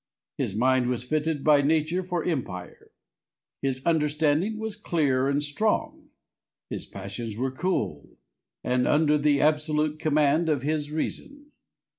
His mind was fitted by nature for empire. His understanding was clear and strong. His passions were cool, and under the absolute command of his reason.